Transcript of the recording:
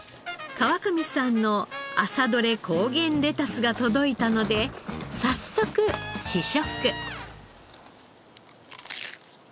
川上さんの朝どれ高原レタスが届いたので早速試食。